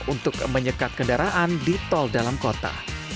untuk menyekat kendaraan di tol dalam kota